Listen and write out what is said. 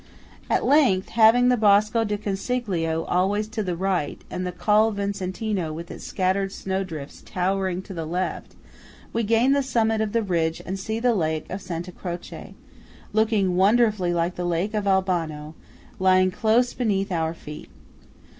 At length, having the Bosco del Consiglio always to the right, and the Col Vicentino with its scattered snow drifts towering to the left, we gain the summit of the ridge and see the lake of Santa Croce, looking wonderfully like the lake of Albano, lying close beneath our feet.